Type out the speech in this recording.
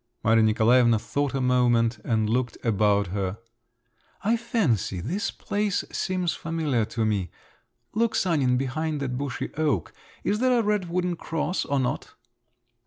Maria Nikolaevna thought a moment and looked about her. "I fancy this place seems familiar to me. Look, Sanin, behind that bushy oak—is there a red wooden cross, or not?"